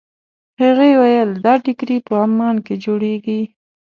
هغې وویل دا ټیکري په عمان کې جوړېږي.